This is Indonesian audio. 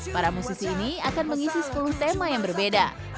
para musisi ini akan mengisi sepuluh tema yang berbeda